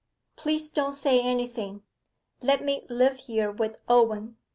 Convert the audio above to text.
'Please don't say anything. Let me live here with Owen.